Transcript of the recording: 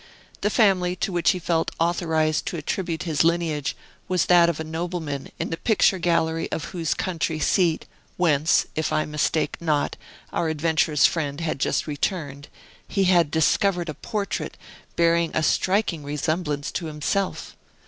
The family to which he felt authorized to attribute his lineage was that of a nobleman, in the picture gallery of whose country seat (whence, if I mistake not, our adventurous friend had just returned) he had discovered a portrait bearing a striking resemblance to himself.